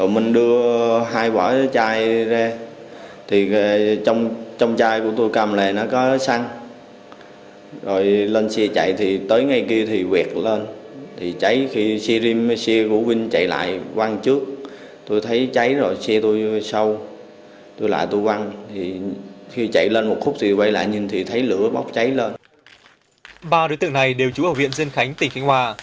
ba đối tượng này đều trú ở viện dân khánh tỉnh khánh hòa